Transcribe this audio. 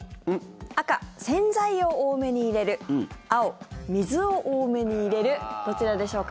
赤、洗剤を多めに入れる青、水を多めに入れるどちらでしょうか？